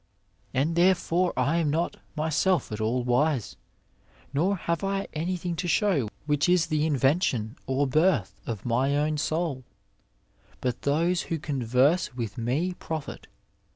And therefore I am not myself at aU wise, nor have I anything to show which is the inven tion or birth of my own soul, but those who converse with me profit.